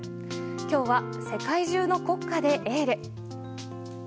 今日は、世界中の国歌でエール。